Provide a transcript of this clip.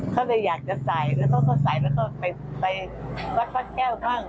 เขาเลยอยากจะใส่แล้วเขาก็ใส่แล้วก็ไปวัดพระแก้วบ้าง